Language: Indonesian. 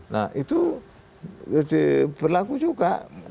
nah itu berlaku juga